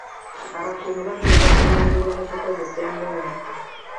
Abakuumi bagenda kubangulwa mu kukozesa emmundu.